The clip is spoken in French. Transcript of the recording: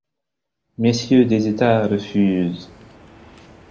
messieurs des États refusent !